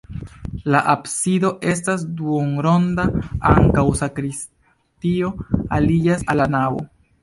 La absido estas duonronda, ankaŭ sakristio aliĝas al la navo.